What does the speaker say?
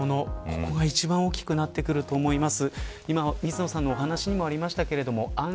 ここが一番大きくなってくると思います。